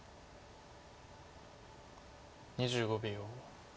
２５秒。